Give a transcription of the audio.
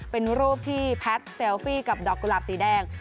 เป็นรูปที่แพทย์เซลฟี่กับดอกกุหลาบสีแดง